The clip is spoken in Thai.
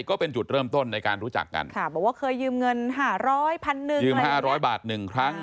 ก็เป็นจุดเริ่มต้นในการรู้จักเบ่าว่าเคยยืมเงิน๕๐๐๑๑๐๐บาทฟันเนึงครั้ง